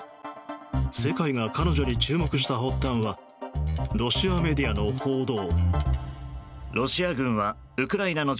世界が彼女に注目した発端はロシアメディアの報道。